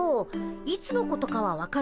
いつのことかは分かる？